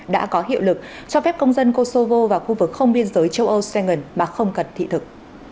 đã có hiệu lực cho phép công dân kosovo và khu vực không biên giới châu âu xoay ngần mà không cần thị thực